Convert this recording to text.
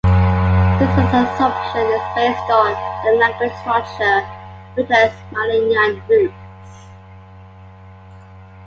This assumption is based on their language structure which has Malayan roots.